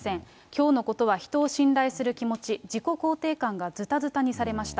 きょうのことは人を信頼する気持ち、自己肯定感がずたずたにされました。